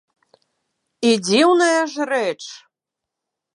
І дзіўная ж рэч.